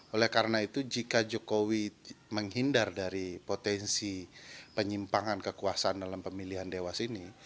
oleh karena itu jika jokowi menghindar dari potensi penyimpangan kekuasaan dalam pemilihan dewas ini